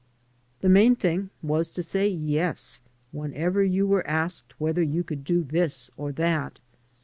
The main thing was to say "yes" whenever you were asked whether you could do this or that.